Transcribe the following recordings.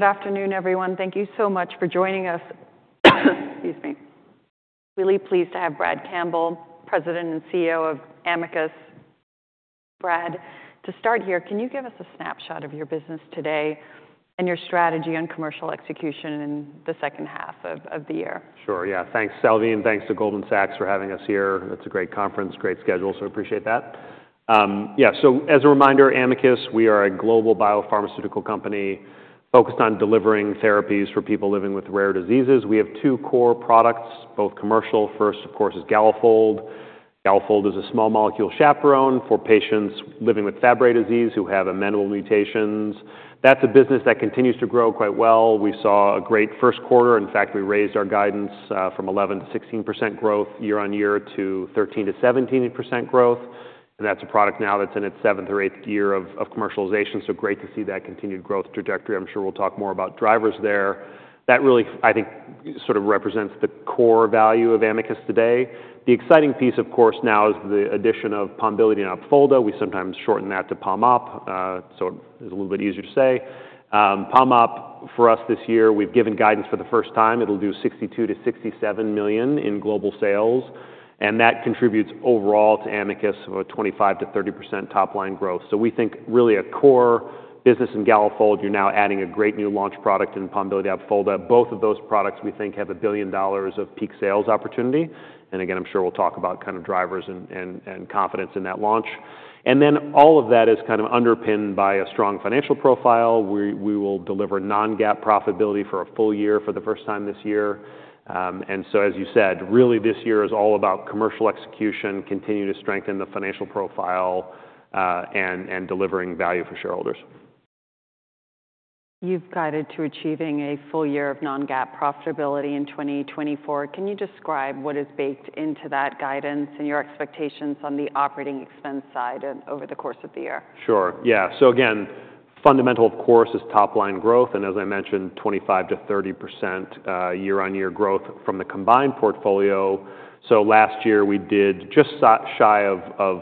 Good afternoon, everyone. Thank you so much for joining us. Excuse me. Really pleased to have Brad Campbell, President and CEO of Amicus. Brad, to start here, can you give us a snapshot of your business today and your strategy on commercial execution in the second half of the year? Sure, yeah. Thanks, Sylvie, and thanks to Goldman Sachs for having us here. It's a great conference, great schedule, so appreciate that. Yeah, so as a reminder, Amicus, we are a global biopharmaceutical company focused on delivering therapies for people living with rare diseases. We have two core products, both commercial. First, of course, is Galafold. Galafold is a small molecule chaperone for patients living with Fabry disease who have amenable mutations. That's a business that continues to grow quite well. We saw a great first quarter. In fact, we raised our guidance from 11%-16% growth year-on-year to 13%-17% growth, and that's a product now that's in its seventh or eighth year of commercialization. So great to see that continued growth trajectory. I'm sure we'll talk more about drivers there. That really, I think, sort of represents the core value of Amicus today. The exciting piece, of course, now is the addition of Pombiliti and Opfolda. We sometimes shorten that to PomOp, so it's a little bit easier to say. PomOp, for us this year, we've given guidance for the first time. It'll do $62 million-$67 million in global sales, and that contributes overall to Amicus with a 25%-30% top line growth. So we think really a core business in Galafold, you're now adding a great new launch product in Pombiliti/Opfolda. Both of those products, we think, have $1 billion of peak sales opportunity, and again, I'm sure we'll talk about kind of drivers and confidence in that launch. And then all of that is kind of underpinned by a strong financial profile. We will deliver non-GAAP profitability for a full year for the first time this year. And so, as you said, really this year is all about commercial execution, continue to strengthen the financial profile, and delivering value for shareholders. You've guided to achieving a full year of non-GAAP profitability in 2024. Can you describe what is baked into that guidance and your expectations on the operating expense side over the course of the year? Sure, yeah. So again, fundamental, of course, is top-line growth, and as I mentioned, 25%-30% year-on-year growth from the combined portfolio. So last year we did just shy of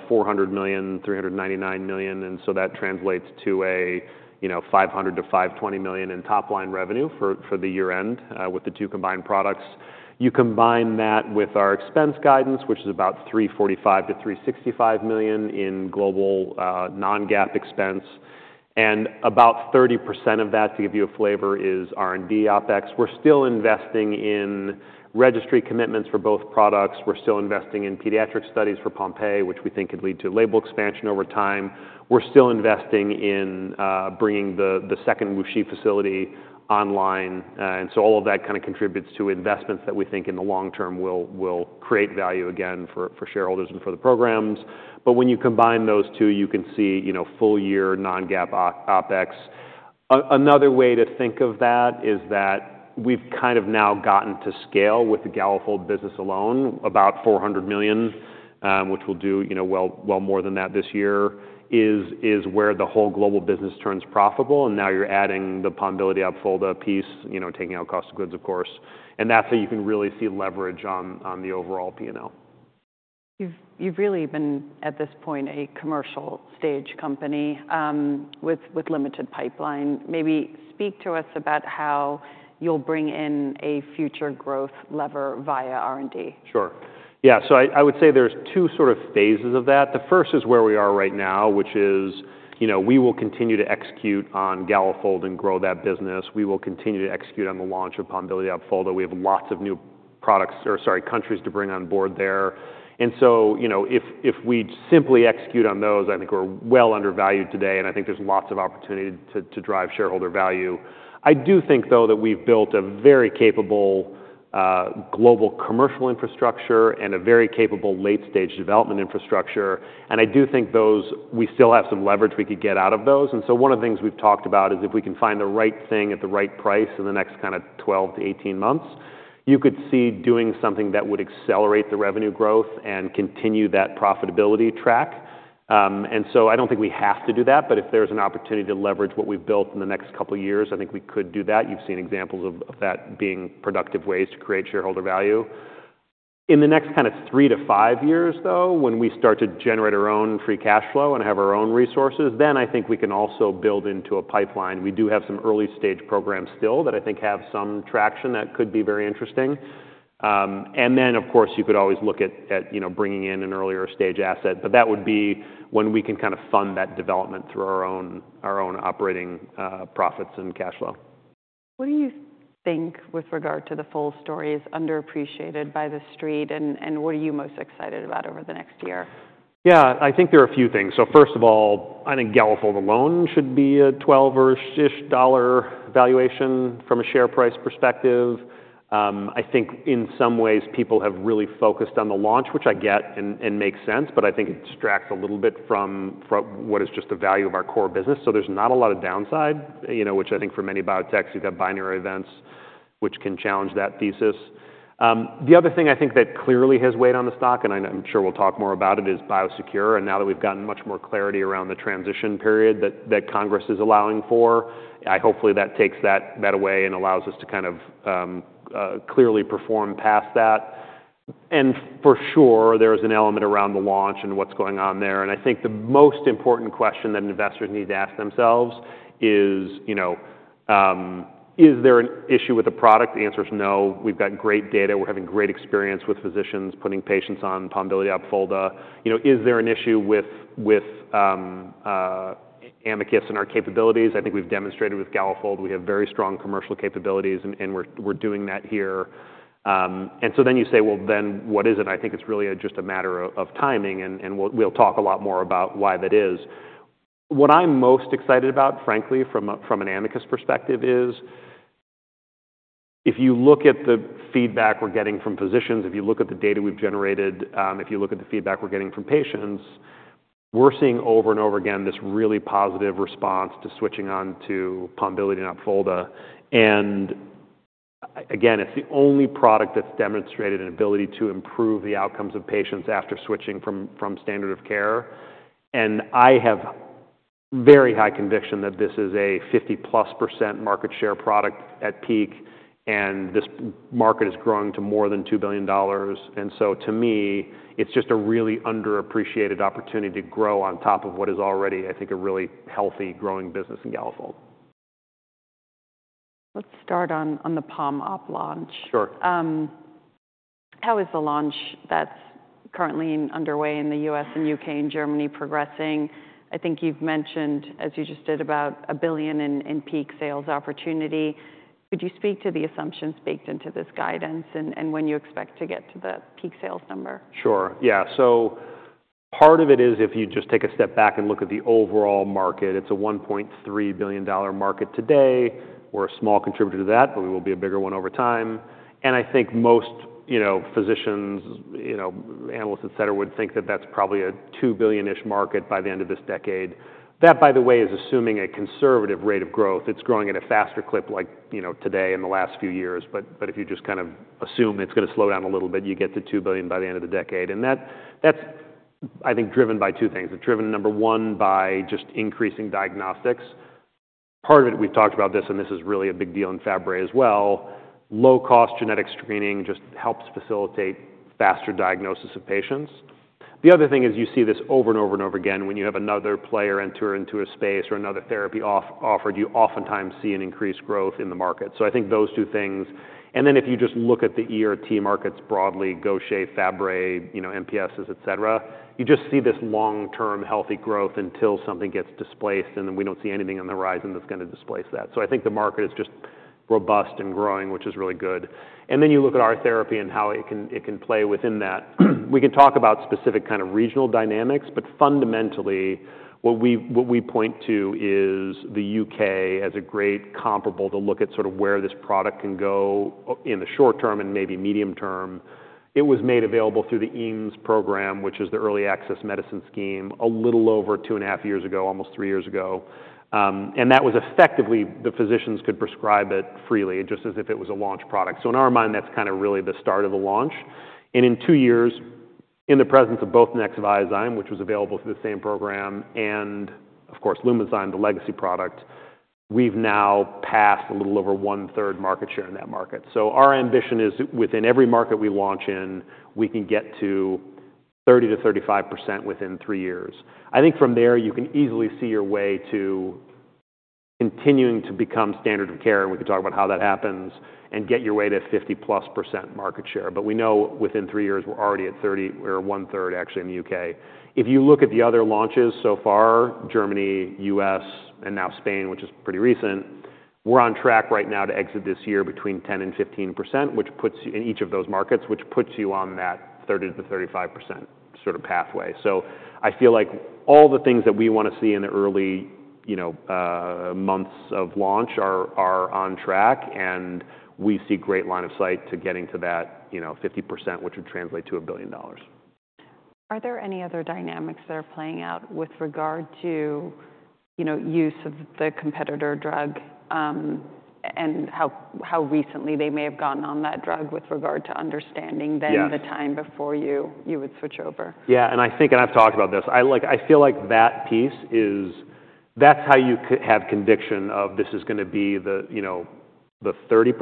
$400 million, $399 million, and so that translates to a, you know, $500 million-$520 million in top-line revenue for the year-end with the two combined products. You combine that with our expense guidance, which is about $345 million-$365 million in global non-GAAP expense, and about 30% of that, to give you a flavor, is R&D OpEx. We're still investing in registry commitments for both products. We're still investing in pediatric studies for Pompe, which we think could lead to label expansion over time. We're still investing in bringing the second WuXi facility online, and so all of that kind of contributes to investments that we think in the long term will create value again for shareholders and for the programs. But when you combine those two, you can see, you know, full year non-GAAP OpEx. Another way to think of that is that we've kind of now gotten to scale with the Galafold business alone, about $400 million, which will do, you know, more than that this year, is where the whole global business turns profitable, and now you're adding the Pombiliti/Opfolda piece, you know, taking out cost of goods, of course. And that's how you can really see leverage on the overall P&L. You've really been, at this point, a commercial stage company, with limited pipeline. Maybe speak to us about how you'll bring in a future growth lever via R&D. Sure. Yeah, so I would say there's two sort of phases of that. The first is where we are right now, which is, you know, we will continue to execute on Galafold and grow that business. We will continue to execute on the launch of Pombiliti/Opfolda. We have lots of new products, or sorry, countries to bring on board there. And so, you know, if we simply execute on those, I think we're well undervalued today, and I think there's lots of opportunity to drive shareholder value. I do think, though, that we've built a very capable, global commercial infrastructure and a very capable late-stage development infrastructure, and I do think those, we still have some leverage we could get out of those. And so one of the things we've talked about is if we can find the right thing at the right price in the next kind of 12-18 months, you could see doing something that would accelerate the revenue growth and continue that profitability track. And so I don't think we have to do that, but if there's an opportunity to leverage what we've built in the next couple of years, I think we could do that. You've seen examples of that being productive ways to create shareholder value. In the next kind of three-five years, though, when we start to generate our own free cash flow and have our own resources, then I think we can also build into a pipeline. We do have some early-stage programs still that I think have some traction that could be very interesting. And then, of course, you could always look at, you know, bringing in an earlier stage asset, but that would be when we can kind of fund that development through our own operating profits and cash flow. What do you think, with regard to the full story, is underappreciated by the Street, and, and what are you most excited about over the next year? Yeah, I think there are a few things. So first of all, I think Galafold alone should be a $12 or so-ish dollar valuation from a share price perspective. I think in some ways people have really focused on the launch, which I get and makes sense, but I think it distracts a little bit from what is just the value of our core business. So there's not a lot of downside, you know, which I think for many biotechs, you've got binary events, which can challenge that thesis. The other thing I think that clearly has weighed on the stock, and I'm sure we'll talk more about it, is BIOSECURE, and now that we've gotten much more clarity around the transition period that Congress is allowing for, hopefully, that takes that away and allows us to kind of clearly perform past that. For sure, there's an element around the launch and what's going on there. And I think the most important question that investors need to ask themselves is, you know, is there an issue with the product? The answer is no. We've got great data. We're having great experience with physicians putting patients on Pombiliti Opfolda. You know, is there an issue with Amicus and our capabilities? I think we've demonstrated with Galafold, we have very strong commercial capabilities, and we're doing that here. And so then you say, "Well, then what is it?" I think it's really just a matter of timing, and we'll talk a lot more about why that is. What I'm most excited about, frankly, from an Amicus perspective is, if you look at the feedback we're getting from physicians, if you look at the data we've generated, if you look at the feedback we're getting from patients, we're seeing over and over again this really positive response to switching on to Pombiliti Opfolda. And again, it's the only product that's demonstrated an ability to improve the outcomes of patients after switching from standard of care. I have very high conviction that this is a 50%+ market share product at peak, and this market is growing to more than $2 billion. So to me, it's just a really underappreciated opportunity to grow on top of what is already, I think, a really healthy, growing business in Galafold. Let's start on the PomOp launch. Sure. How is the launch that's currently underway in the U.S. and U.K. and Germany progressing? I think you've mentioned, as you just did, about $1 billion in peak sales opportunity. Could you speak to the assumptions baked into this guidance and when you expect to get to the peak sales number? Sure. Yeah. So part of it is, if you just take a step back and look at the overall market, it's a $1.3 billion market today. We're a small contributor to that, but we will be a bigger one over time. And I think most, you know, physicians, you know, analysts, etc., would think that that's probably a two billion-ish market by the end of this decade. That, by the way, is assuming a conservative rate of growth. It's growing at a faster clip like, you know, today in the last few years. But, but if you just kind of assume it's gonna slow down a little bit, you get to two billion by the end of the decade. And that's, that's, I think, driven by two things. They're driven, number one, by just increasing diagnostics. Part of it, we've talked about this, and this is really a big deal in Fabry as well. Low-cost genetic screening just helps facilitate faster diagnosis of patients. The other thing is, you see this over and over and over again, when you have another player enter into a space or another therapy offered, you oftentimes see an increased growth in the market. So I think those two things. And then if you just look at the ERT markets broadly, Gaucher, Fabry, you know, MPSs, et cetera, you just see this long-term healthy growth until something gets displaced, and then we don't see anything on the horizon that's gonna displace that. So I think the market is just robust and growing, which is really good. And then you look at our therapy and how it can, it can play within that. We can talk about specific kind of regional dynamics, but fundamentally, what we, what we point to is the UK as a great comparable to look at sort of where this product can go in the short term and maybe medium term. It was made available through the EAMS program, which is the Early Access to Medicines Scheme, a little over 2.5 years ago, almost three years ago. And that was effectively, the physicians could prescribe it freely, just as if it was a launch product. So in our mind, that's kinda really the start of the launch. And in two years, in the presence of both Nexviazyme, which was available through the same program, and of course, Lumizyme, the legacy product, we've now passed a little over one-third market share in that market. So our ambition is within every market we launch in, we can get to 30%-35% within three years. I think from there, you can easily see your way to continuing to become standard of care, and we can talk about how that happens, and get your way to 50%+ market share. But we know within three years, we're already at 30% or one-third, actually, in the UK. If you look at the other launches so far, Germany, U.S., and now Spain, which is pretty recent, we're on track right now to exit this year between 10%-15%, which puts you in each of those markets, which puts you on that 30%-35% sort of pathway. I feel like all the things that we wanna see in the early, you know, months of launch are on track, and we see great line of sight to getting to that, you know, 50%, which would translate to $1 billion. Are there any other dynamics that are playing out with regard to, you know, use of the competitor drug, and how recently they may have gotten on that drug with regard to understanding. Yes Then the time before you, you would switch over? Yeah, and I think, and I've talked about this. I like—I feel like that piece is... That's how you come to have conviction of this is gonna be the, you know, the 30%,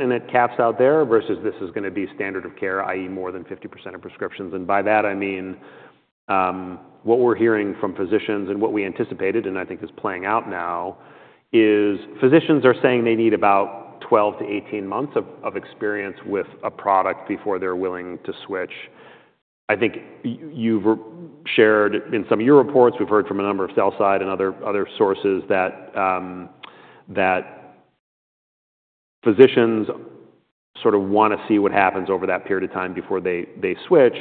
and it caps out there versus this is gonna be standard of care, i.e., more than 50% of prescriptions. And by that, I mean, what we're hearing from physicians and what we anticipated, and I think is playing out now, is physicians are saying they need about 12-18 months of experience with a product before they're willing to switch. I think you've re-shared in some of your reports, we've heard from a number of sell side and other sources that, that physicians sort of want to see what happens over that period of time before they switch.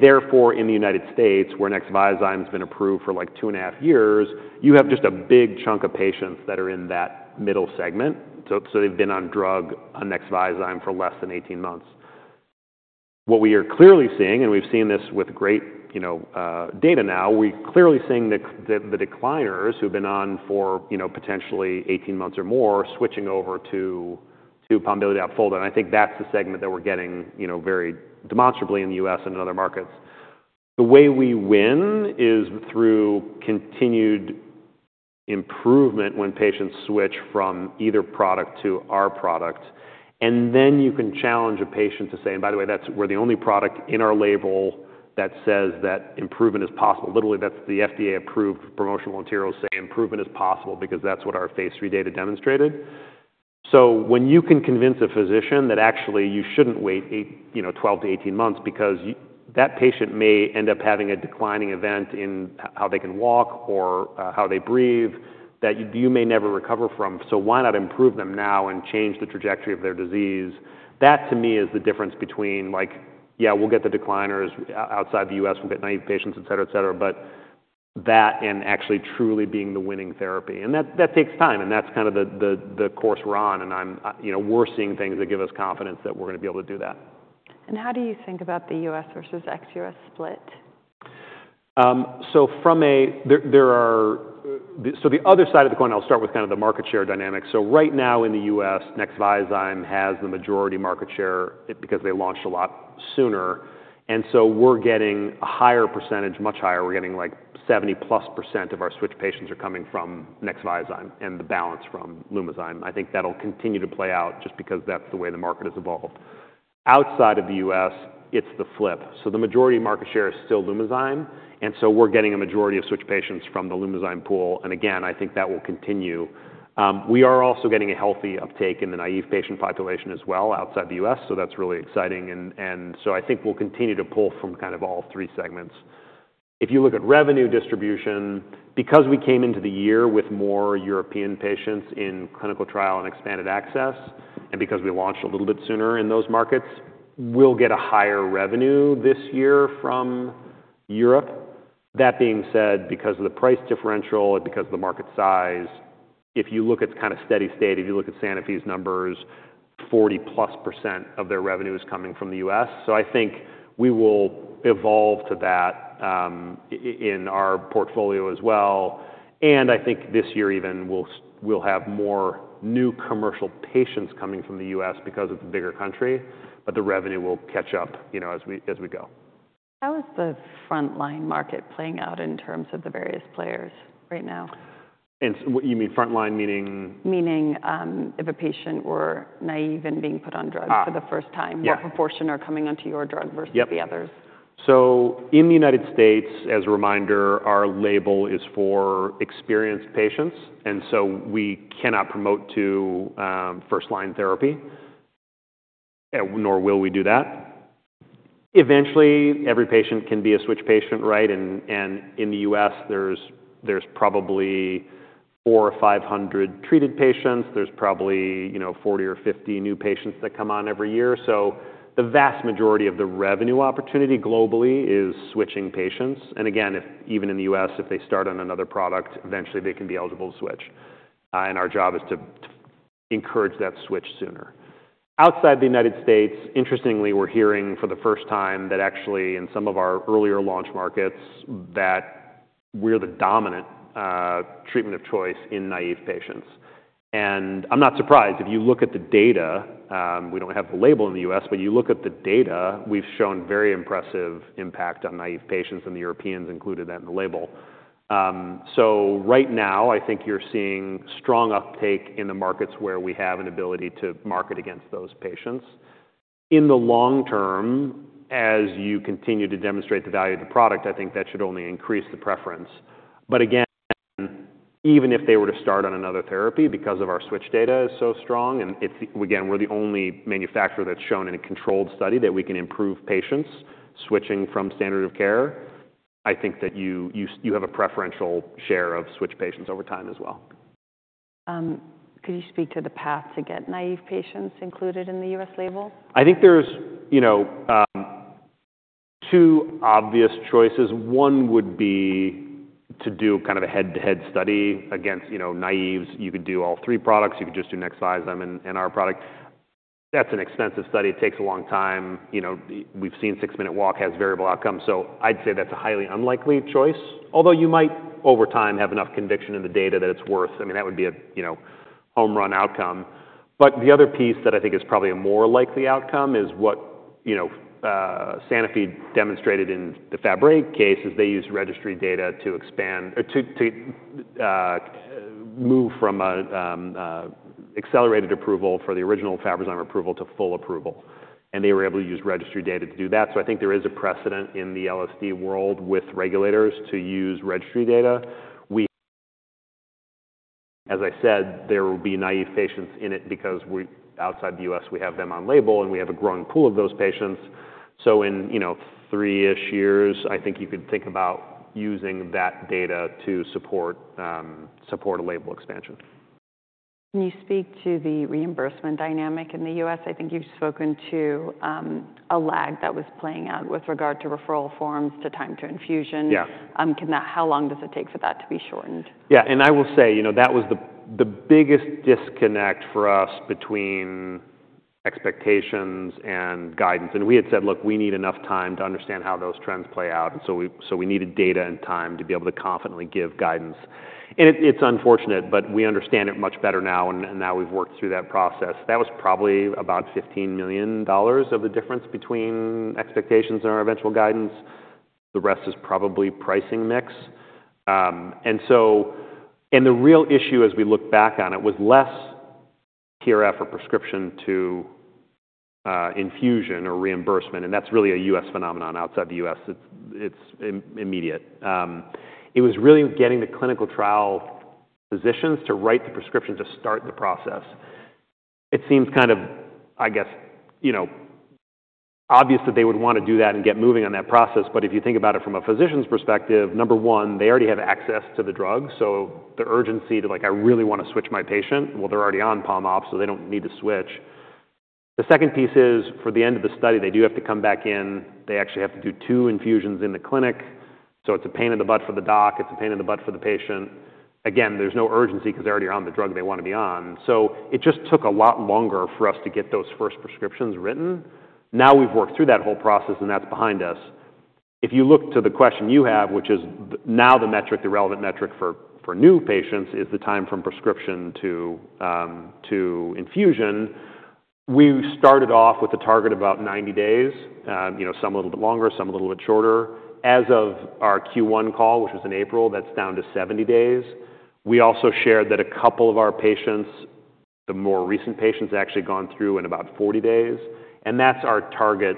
Therefore, in the United States, where Nexviazyme has been approved for, like, 2.5 years, you have just a big chunk of patients that are in that middle segment. So, so they've been on drug, on Nexviazyme for less than 18 months. What we are clearly seeing, and we've seen this with great, you know, data now, we're clearly seeing the decliners who've been on for, you know, potentially 18 months or more, switching over to Pombiliti Opfolda, and I think that's the segment that we're getting, you know, very demonstrably in the U.S. and in other markets. The way we win is through continued improvement when patients switch from either product to our product, and then you can challenge a patient to say, and by the way, that's, we're the only product in our label that says that improvement is possible. Literally, that's the FDA-approved promotional materials say, "Improvement is possible," because that's what our phase III data demonstrated. So when you can convince a physician that actually you shouldn't wait eight, you know, twelve to eighteen months because that patient may end up having a declining event in how they can walk or, how they breathe, that you may never recover from, so why not improve them now and change the trajectory of their disease? That, to me, is the difference between, like, "Yeah, we'll get the decliners outside the U.S., we'll get naive patients," et cetera, et cetera, but that and actually truly being the winning therapy. And that, that takes time, and that's kind of the, the, the course we're on, and I'm, you know, we're seeing things that give us confidence that we're gonna be able to do that. How do you think about the U.S. versus ex-U.S. split? So the other side of the coin, I'll start with kind of the market share dynamic. So right now in the U.S., Nexviazyme has the majority market share, because they launched a lot sooner, and so we're getting a higher percentage, much higher. We're getting, like, 70%+ of our switch patients are coming from Nexviazyme, and the balance from Lumizyme. I think that'll continue to play out just because that's the way the market has evolved. Outside of the U.S., it's the flip. So the majority market share is still Lumizyme, and so we're getting a majority of switch patients from the Lumizyme pool, and again, I think that will continue. We are also getting a healthy uptake in the naive patient population as well outside the U.S., so that's really exciting and so I think we'll continue to pull from kind of all three segments. If you look at revenue distribution, because we came into the year with more European patients in clinical trial and expanded access, and because we launched a little bit sooner in those markets, we'll get a higher revenue this year from Europe. That being said, because of the price differential and because of the market size, if you look at kind of steady state, if you look at Sanofi's numbers, 40%+ of their revenue is coming from the U.S. So I think we will evolve to that, in our portfolio as well, and I think this year even, we'll have more new commercial patients coming from the U.S. because it's a bigger country, but the revenue will catch up, you know, as we, as we go. How is the frontline market playing out in terms of the various players right now? What you mean frontline, meaning? Meaning, if a patient were naive and being put on drugs. Ah. For the first time. Yeah. What proportion are coming onto your drug versus. Yep The others? So in the United States, as a reminder, our label is for experienced patients, and so we cannot promote to first-line therapy, nor will we do that. Eventually, every patient can be a switch patient, right? And in the U.S., there's probably 400 or 500 treated patients. There's probably, you know, 40 or 50 new patients that come on every year. So the vast majority of the revenue opportunity globally is switching patients, and again, if even in the U.S., if they start on another product, eventually they can be eligible to switch, and our job is to encourage that switch sooner. Outside the United States, interestingly, we're hearing for the first time that actually in some of our earlier launch markets, that we're the dominant treatment of choice in naive patients. And I'm not surprised. If you look at the data, we don't have the label in the U.S., but you look at the data, we've shown very impressive impact on naive patients, and the Europeans included that in the label. So right now, I think you're seeing strong uptake in the markets where we have an ability to market against those patients. In the long term, as you continue to demonstrate the value of the product, I think that should only increase the preference. But again, even if they were to start on another therapy because of our switch data is so strong, and it's again, we're the only manufacturer that's shown in a controlled study that we can improve patients switching from standard of care, I think that you have a preferential share of switch patients over time as well. Could you speak to the path to get naive patients included in the U.S. label? I think there's, you know, two obvious choices. One would be to do kind of a head-to-head study against, you know, naives. You could do all three products. You could just do Nexviazyme and, and our product. That's an expensive study. It takes a long time. You know, we've seen six-minute walk has variable outcomes, so I'd say that's a highly unlikely choice, although you might, over time, have enough conviction in the data that it's worth. I mean, that would be a, you know, home run outcome. But the other piece that I think is probably a more likely outcome is what, you know, Sanofi demonstrated in the Fabry case, is they used registry data to expand... move from an accelerated approval for the original Fabryzyme approval to full approval, and they were able to use registry data to do that. So I think there is a precedent in the LSD world with regulators to use registry data. We, as I said, there will be naive patients in it because we- outside the U.S., we have them on label, and we have a growing pool of those patients. So in, you know, three-ish years, I think you could think about using that data to support a label expansion. Can you speak to the reimbursement dynamic in the U.S.? I think you've spoken to a lag that was playing out with regard to referral forms, to time to infusion. Yeah. How long does it take for that to be shortened? Yeah, and I will say, you know, that was the biggest disconnect for us between expectations and guidance. And we had said, "Look, we need enough time to understand how those trends play out," and so we needed data and time to be able to confidently give guidance. And it, it's unfortunate, but we understand it much better now, and now we've worked through that process. That was probably about $15 million of the difference between expectations and our eventual guidance. The rest is probably pricing mix. And the real issue as we look back on it was less here after prescription to infusion or reimbursement, and that's really a U.S. phenomenon. Outside the U.S., it's immediate. It was really getting the clinical trial physicians to write the prescription to start the process. It seems kind of, I guess, you know, obvious that they would want to do that and get moving on that process. But if you think about it from a physician's perspective, number one, they already have access to the drug, so the urgency to, like, I really want to switch my patient, well, they're already on PomOp, so they don't need to switch. The second piece is, for the end of the study, they do have to come back in. They actually have to do two infusions in the clinic, so it's a pain in the butt for the doc, it's a pain in the butt for the patient. Again, there's no urgency 'cause they're already on the drug they want to be on. So it just took a lot longer for us to get those first prescriptions written. Now, we've worked through that whole process, and that's behind us. If you look to the question you have, which is now the metric, the relevant metric for, for new patients, is the time from prescription to, to infusion. We started off with a target of about 90 days, you know, some a little bit longer, some a little bit shorter. As of our Q1 call, which was in April, that's down to 70 days. We also shared that a couple of our patients, the more recent patients, actually gone through in about 40 days, and that's our target,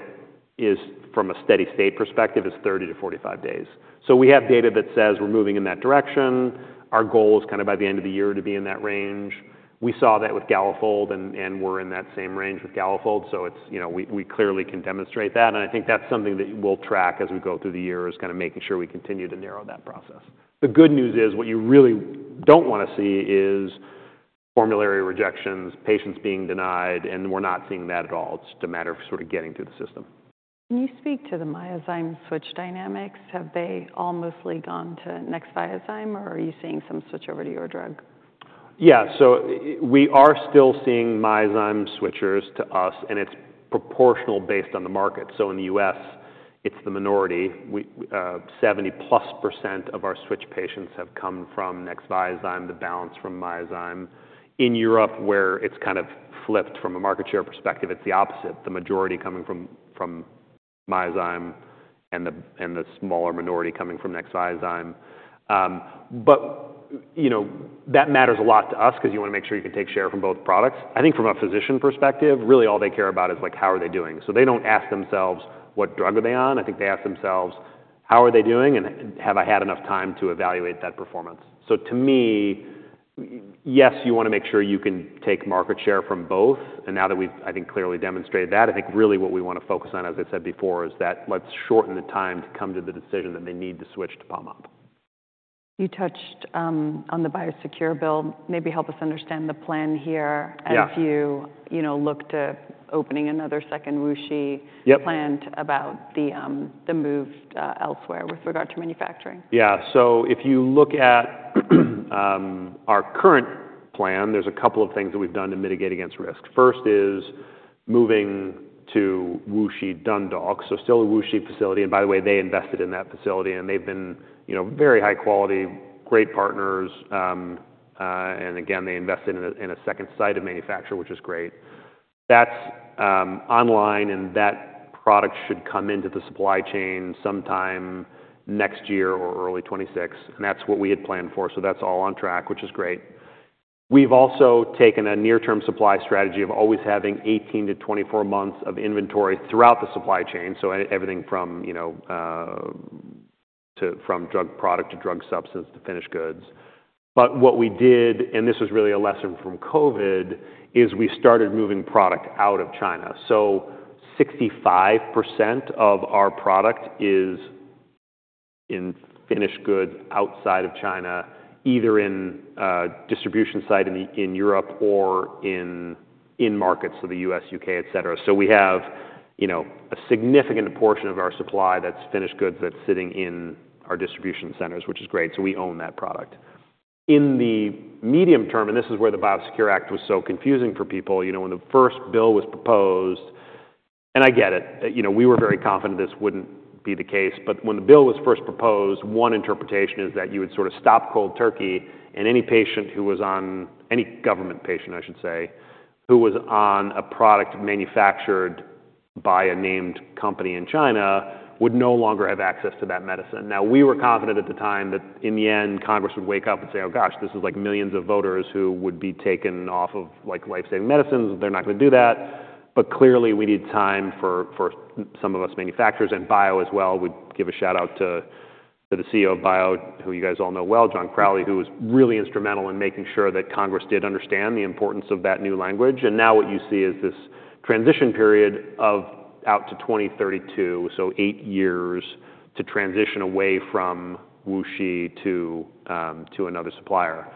is from a steady state perspective, is 30-45 days. So we have data that says we're moving in that direction. Our goal is kind of by the end of the year to be in that range. We saw that with Galafold, and we're in that same range with Galafold, so it's, you know, we clearly can demonstrate that, and I think that's something that we'll track as we go through the year, is kinda making sure we continue to narrow that process. The good news is, what you really don't wanna see is formulary rejections, patients being denied, and we're not seeing that at all. It's just a matter of sort of getting through the system. Can you speak to the Myozyme switch dynamics? Have they all mostly gone to Nexviazyme, or are you seeing some switch over to your drug? Yeah. So we are still seeing Myozyme switchers to us, and it's proportional based on the market. So in the U.S., it's the minority. We, 70%+ of our switch patients have come from Nexviazyme, the balance from Myozyme. In Europe, where it's kind of flipped from a market share perspective, it's the opposite, the majority coming from Myozyme and the smaller minority coming from Nexviazyme. But, you know, that matters a lot to us 'cause you wanna make sure you can take share from both products. I think from a physician perspective, really all they care about is, like, how are they doing? So they don't ask themselves what drug are they on. I think they ask themselves, how are they doing, and have I had enough time to evaluate that performance? So to me, yes, you wanna make sure you can take market share from both, and now that we've, I think, clearly demonstrated that, I think really what we wanna focus on, as I said before, is that let's shorten the time to come to the decision that they need to switch to PomOp. You touched on the BIOSECURE Act. Maybe help us understand the plan here. Yeah. And if you, you know, look to opening another second WuXi Yep Plant about the move elsewhere with regard to manufacturing. Yeah. So if you look at our current plan, there's a couple of things that we've done to mitigate against risk. First is moving to WuXi, Dundalk, so still a WuXi facility. And by the way, they invested in that facility, and they've been, you know, very high quality, great partners, and again, they invested in a second site of manufacture, which is great. That's online, and that product should come into the supply chain sometime next year or early 2026, and that's what we had planned for. So that's all on track, which is great. We've also taken a near-term supply strategy of always having 18-24 months of inventory throughout the supply chain, so everything from, you know, from drug product to drug substance to finished goods. But what we did, and this was really a lesson from COVID, is we started moving product out of China. So 65% of our product is in finished goods outside of China, either in a distribution site in Europe or in markets, so the U.S., U.K., et cetera. So we have, you know, a significant portion of our supply that's finished goods that's sitting in our distribution centers, which is great, so we own that product. In the medium term, and this is where the BIOSECURE Act was so confusing for people, you know, when the first bill was proposed. And I get it. You know, we were very confident this wouldn't be the case, but when the bill was first proposed, one interpretation is that you would sort of stop cold turkey, and any patient who was on—any government patient, I should say, who was on a product manufactured by a named company in China, would no longer have access to that medicine. Now, we were confident at the time that, in the end, Congress would wake up and say, "Oh, gosh, this is like millions of voters who would be taken off of, like, life-saving medicines. They're not gonna do that." But clearly, we need time for, for some of us manufacturers and BIO as well. We give a shout-out to, to the CEO of BIO, who you guys all know well, John Crowley, who was really instrumental in making sure that Congress did understand the importance of that new language. Now what you see is this transition period of out to 2032, so eight years, to transition away from WuXi to to another supplier.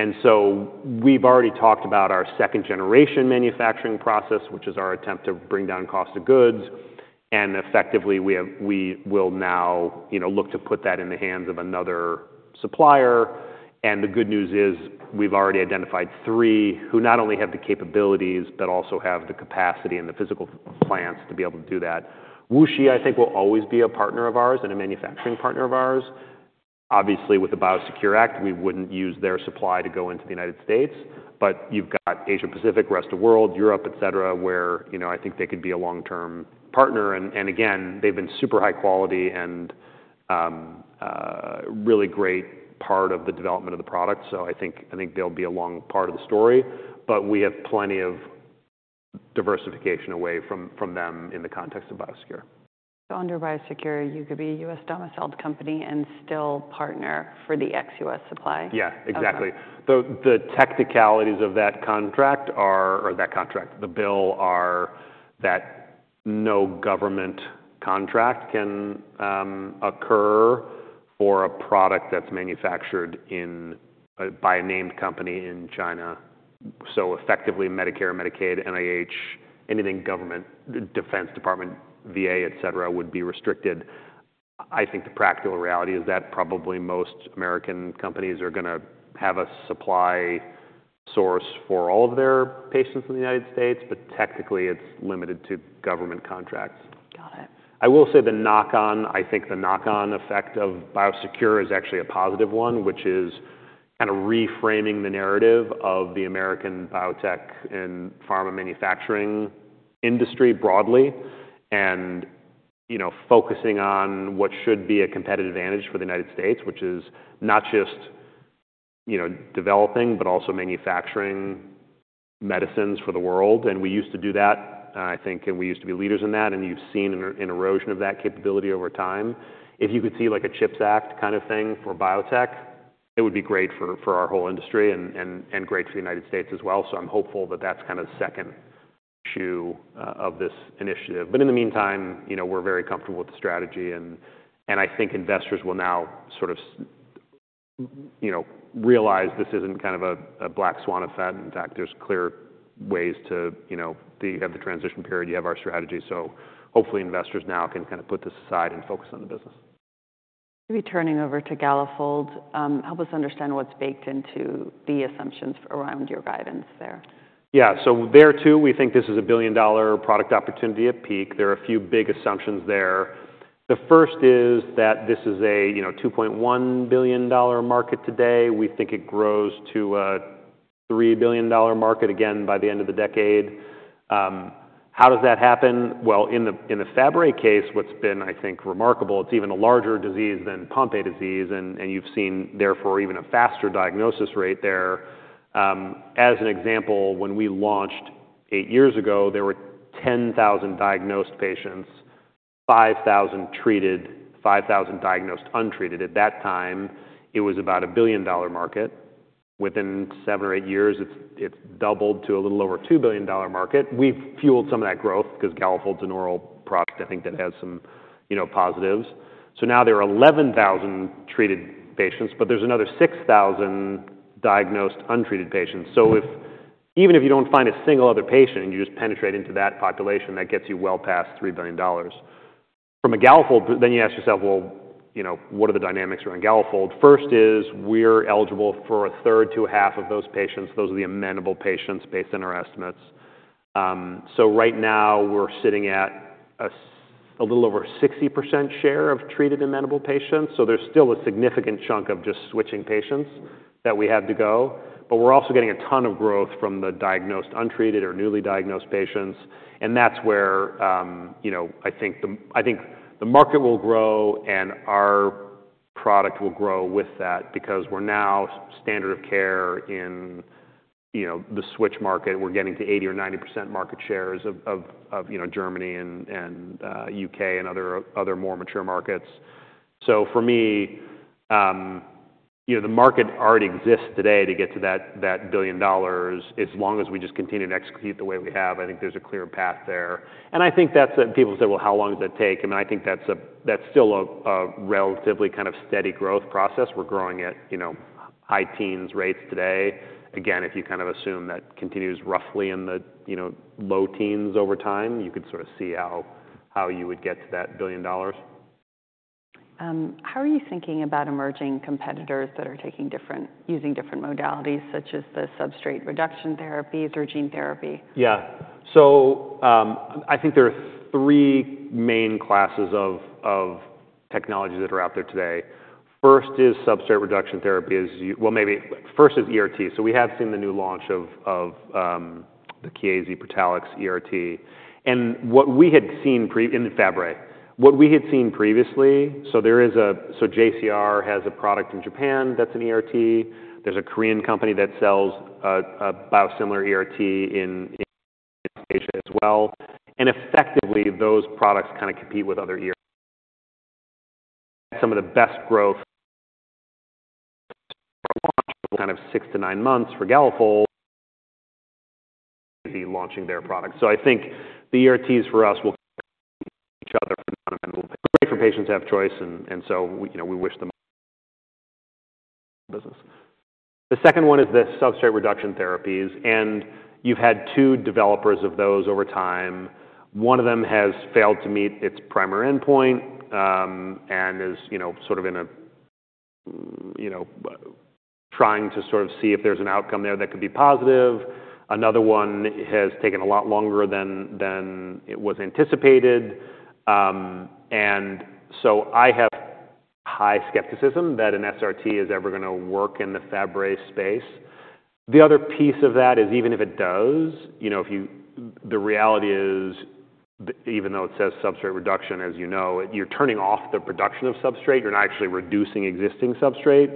And so we've already talked about our second-generation manufacturing process, which is our attempt to bring down cost of goods, and effectively, we have - we will now, you know, look to put that in the hands of another supplier. And the good news is, we've already identified three who not only have the capabilities but also have the capacity and the physical plants to be able to do that. WuXi, I think, will always be a partner of ours and a manufacturing partner of ours. Obviously, with the BIOSECURE Act, we wouldn't use their supply to go into the United States, but you've got Asia Pacific, rest of world, Europe, et cetera, where, you know, I think they could be a long-term partner. They've been super high quality and really great part of the development of the product, so I think they'll be a long part of the story, but we have plenty of diversification away from them in the context of BIOSECURE. Under BIOSECURE, you could be a U.S.-domiciled company and still partner for the ex-U.S. supply? Yeah, exactly. Okay. The technicalities of that contract are—or that contract, the bill, are that no government contract can occur for a product that's manufactured in by a named company in China. So effectively, Medicare, Medicaid, NIH, anything government, the Defense Department, VA, et cetera, would be restricted. I think the practical reality is that probably most American companies are gonna have a supply source for all of their patients in the United States, but technically, it's limited to government contracts. Got it. I will say the knock-on, I think the knock-on effect of BIOSECURE is actually a positive one, which is kind of reframing the narrative of the American biotech and pharma manufacturing industry broadly, and, you know, focusing on what should be a competitive advantage for the United States, which is not just, you know, developing, but also manufacturing medicines for the world. And we used to do that, I think, and we used to be leaders in that, and you've seen an erosion of that capability over time. If you could see like a CHIPS Act kind of thing for biotech, it would be great for our whole industry and great for the United States as well. So I'm hopeful that that's kind of the second issue of this initiative. But in the meantime, you know, we're very comfortable with the strategy and I think investors will now sort of you know, realize this isn't kind of a black swan event. In fact, there's clear ways to... You know, you have the transition period, you have our strategy. So hopefully, investors now can kind of put this aside and focus on the business. Returning over to Galafold, help us understand what's baked into the assumptions around your guidance there? Yeah. So there, too, we think this is a billion-dollar product opportunity at peak. There are a few big assumptions there. The first is that this is a, you know, $2.1 billion market today. We think it grows to a $3 billion market again by the end of the decade. How does that happen? Well, in the Fabry case, what's been, I think, remarkable, it's even a larger disease than Pompe disease, and you've seen, therefore, even a faster diagnosis rate there. As an example, when we launched eight years ago, there were 10,000 diagnosed patients, 5,000 treated, 5,000 diagnosed, untreated. At that time, it was about a $1 billion market. Within seven or eight years, it's doubled to a little over $2 billion market. We've fueled some of that growth because Galafold's an oral product, I think, that has some, you know, positives. So now there are 11,000 treated patients, but there's another 6,000 diagnosed, untreated patients. So if even if you don't find a single other patient and you just penetrate into that population, that gets you well past $3 billion from Galafold, but then you ask yourself: Well, you know, what are the dynamics around Galafold? First is, we're eligible for a third to a half of those patients. Those are the amenable patients based on our estimates. So right now, we're sitting at a little over 60% share of treated amenable patients, so there's still a significant chunk of just switching patients that we have to go. But we're also getting a ton of growth from the diagnosed, untreated or newly diagnosed patients, and that's where, you know, I think the market will grow and our product will grow with that because we're now standard of care in, you know, the switch market. We're getting to 80% or 90% market shares of Germany and U.K. and other more mature markets. So for me, you know, the market already exists today to get to that $1 billion. As long as we just continue to execute the way we have, I think there's a clear path there. And I think that's the people say, "Well, how long does that take?" I mean, I think that's still a relatively kind of steady growth process. We're growing at, you know, high teens rates today. Again, if you kind of assume that continues roughly in the, you know, low teens over time, you could sort of see how you would get to that $1 billion. How are you thinking about emerging competitors that are using different modalities, such as the substrate reduction therapy through gene therapy? Yeah. So, I think there are three main classes of technologies that are out there today. First is substrate reduction therapy, as you... Well, maybe first is ERT. So we have seen the new launch of the Chiesi Protalix ERT. And what we had seen previously in the Fabry, what we had seen previously, so there is so JCR has a product in Japan that's an ERT. There's a Korean company that sells a biosimilar ERT in Asia as well. And effectively, those products kinda compete with other ERTs. Some of the best growth kind of six to nine months for Galafold, launching their product. So I think the ERTs for us will each other for patients. Great for patients to have choice, and so we, you know, we wish them business. The second one is the substrate reduction therapies, and you've had two developers of those over time. One of them has failed to meet its primary endpoint, and is, you know, sort of in a, you know, trying to sort of see if there's an outcome there that could be positive. Another one has taken a lot longer than it was anticipated. And so I have high skepticism that an SRT is ever gonna work in the Fabry space. The other piece of that is, even if it does, you know, if you, the reality is, even though it says substrate reduction, as you know, you're turning off the production of substrate, you're not actually reducing existing substrate.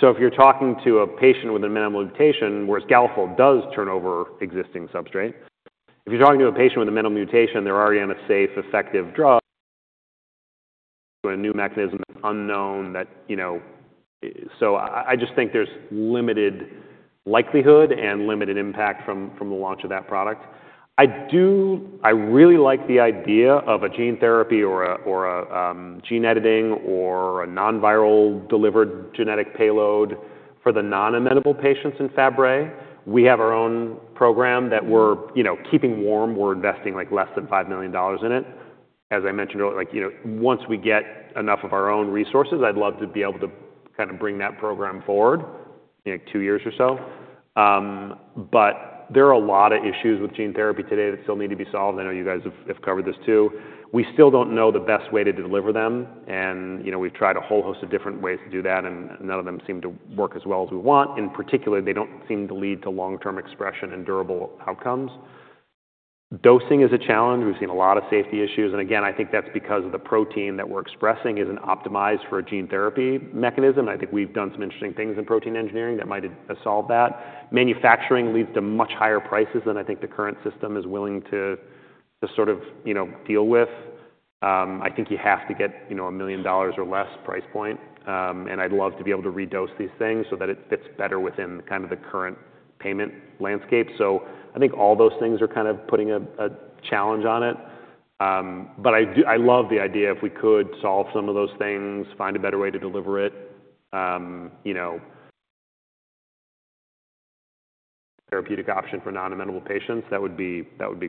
So if you're talking to a patient with an amenable mutation, whereas Galafold does turn over existing substrate. If you're talking to a patient with an amenable mutation, they're already on a safe, effective drug to a new mechanism that's unknown, that, you know. So I just think there's limited likelihood and limited impact from the launch of that product. I do I really like the idea of a gene therapy or a, or a gene editing or a non-viral delivered genetic payload for the non-amenable patients in Fabry. We have our own program that we're, you know, keeping warm. We're investing, like, less than $5 million in it. As I mentioned earlier, like, you know, once we get enough of our own resources, I'd love to be able to kind of bring that program forward in, like, two years or so. But there are a lot of issues with gene therapy today that still need to be solved. I know you guys have covered this, too. We still don't know the best way to deliver them, and, you know, we've tried a whole host of different ways to do that, and none of them seem to work as well as we want. In particular, they don't seem to lead to long-term expression and durable outcomes. Dosing is a challenge. We've seen a lot of safety issues, and again, I think that's because of the protein that we're expressing isn't optimized for a gene therapy mechanism. I think we've done some interesting things in protein engineering that might have solved that. Manufacturing leads to much higher prices than I think the current system is willing to, to sort of, you know, deal with. I think you have to get, you know, a $1 million or less price point, and I'd love to be able to redose these things so that it fits better within kind of the current payment landscape. So I think all those things are kind of putting a challenge on it. But I do—I love the idea, if we could solve some of those things, find a better way to deliver it, you know, therapeutic option for non-amenable patients, that would be, that would be